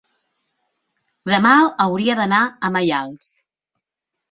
demà hauria d'anar a Maials.